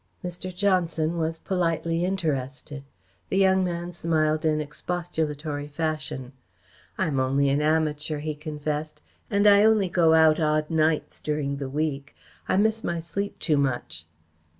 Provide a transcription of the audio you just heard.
Mr. Johnson was politely interested. The young man smiled in expostulatory fashion. "I am only an amateur," he confessed, "and I only go out odd nights during the week. I miss my sleep too much."